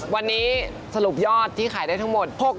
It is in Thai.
วันนี้สรุปยอดที่ขายได้ทั้งหมด